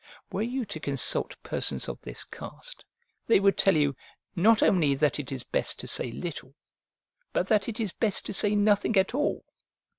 Were you to consult persons of this cast, they would tell you, not only that it is best to say little, but that it is best to say nothing at all.